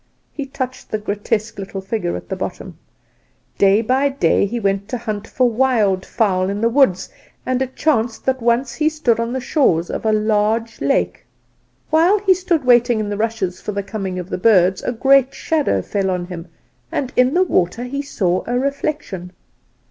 (He touched the grotesque little figure at the bottom.) "Day by day he went to hunt for wild fowl in the woods; and it chanced that once he stood on the shores of a large lake. While he stood waiting in the rushes for the coming of the birds, a great shadow fell on him, and in the water he saw a reflection.